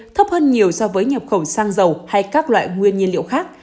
thấp hơn nhiều so với nhập khẩu xăng dầu hay các loại nguyên nhiên liệu khác